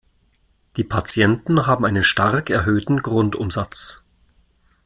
Die Patienten haben einen stark erhöhten Grundumsatz.